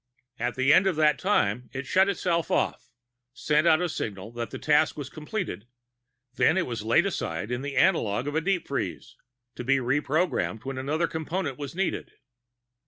At the end of that time, it shut itself off, sent out a signal that the task was completed, then it was laid aside in the analogue of a deep freeze, to be reprogrammed when another Component was needed.